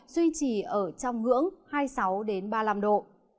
duy trì ở trong ngưỡng hai mươi sáu ba mươi năm độ